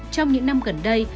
trong những năm gần đây